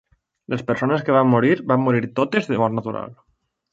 Les persones que van morir, van morir totes de mort natural.